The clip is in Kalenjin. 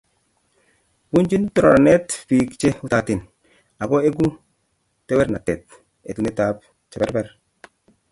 Punjin toroornatet piik che utaatiin, ago egu teweernateet etunatetap che perber.